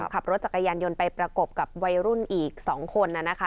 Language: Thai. ขับรถจักรยานยนต์ไปประกบกับวัยรุ่นอีก๒คนนะคะ